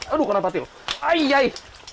aduh kenapa til ai ai